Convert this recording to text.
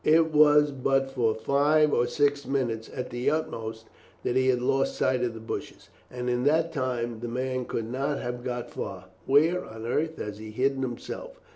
It was but for five or six minutes at the utmost that he had lost sight of the bushes, and in that time the man could not have got far. "Where on earth has he hidden himself?"